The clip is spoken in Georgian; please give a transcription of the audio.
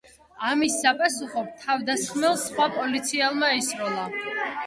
ამის საპასუხოდ, თავდამსხმელს სხვა პოლიციელმა ესროლა.